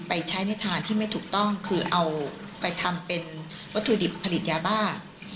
ไปใช้ในทางที่ไม่ถูกต้องคือเอาไปทำเป็นวัตถุดิบผลิตยาบ้า